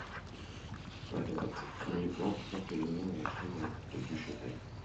À droite, premier plan, porte donnant dans la chambre de Duchotel.